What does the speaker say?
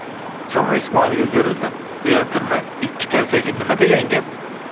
So'ng Ismoilga o'girildi: Uyaltirma, ikki tarsaki nima degan gap?